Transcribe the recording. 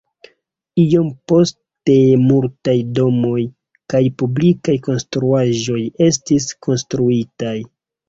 Iom poste multaj domoj kaj publikaj konstruaĵoj estis konstruitaj.